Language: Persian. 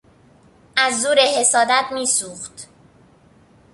از زور حسادت میسوخت.